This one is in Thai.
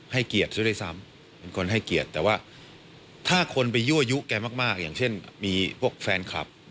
เกียรติซะด้วยซ้ำเป็นคนให้เกียรติแต่ว่าถ้าคนไปยั่วยุแกมากอย่างเช่นมีพวกแฟนคลับ